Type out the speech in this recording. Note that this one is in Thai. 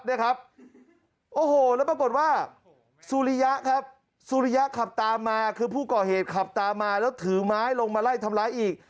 เนี่ยครับโอ้โหแล้วปรากฏว่าสุริยะครับสุริยะขับตามมาคือผู้ก่อเหตุขับตามมาแล้วถือไม้ลงมาไล่ทำร้ายอีก